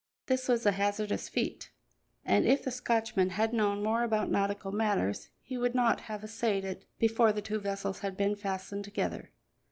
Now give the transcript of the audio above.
This was a hazardous feat, and if the Scotchman had known more about nautical matters he would not have essayed it before the two vessels had been fastened together.